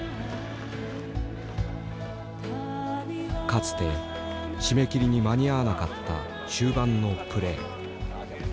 かつて締め切りに間に合わなかった終盤のプレー。